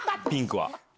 ピンクは？